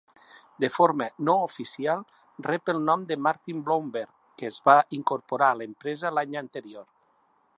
De forma no oficial rep el nom de Martin Blomberg, que es va incorporar a l'empresa l'any anterior.